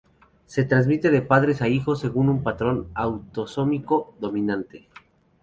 Se transmite de padres a hijos según un patrón autosómico dominante.